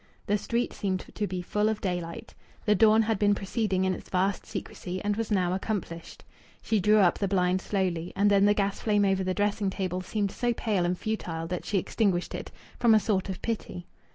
The street seemed to be full of daylight. The dawn had been proceeding in its vast secrecy and was now accomplished. She drew up the blind slowly, and then the gas flame over the dressing table seemed so pale and futile that she extinguished it, from a sort of pity.